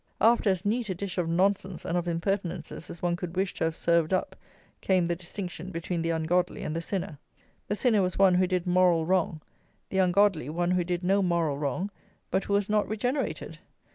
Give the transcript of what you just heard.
After as neat a dish of nonsense and of impertinences as one could wish to have served up, came the distinction between the ungodly and the sinner. The sinner was one who did moral wrong; the ungodly, one who did no moral wrong, but who was not regenerated.